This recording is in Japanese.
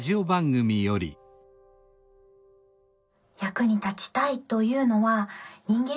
役に立ちたいというのは人間